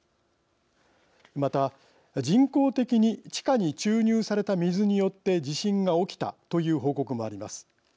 また、人工的に地下に注入された水によって地震が起きたという報告もあります。